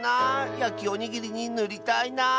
やきおにぎりにぬりたいなあ。